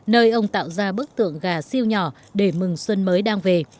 nơi ông tạo ra bức tượng gà siêu nhỏ để mừng xuân mới đang về